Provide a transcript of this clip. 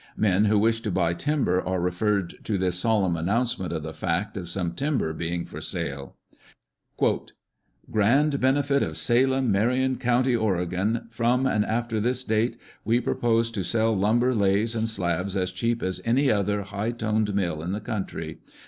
Men who wish to buy timber are referred to this solemn announcement of the fact of some timber being for sale :" Grand benefit of Salem, Marion County, Oregon. From and after this date we propose to sell lumber laths and slabs as cheap as any other high toned mill in the country.